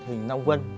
hình long gun